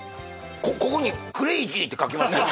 ここに「クレイジー」って書きますよ